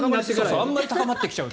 あんまり高まってきちゃうと。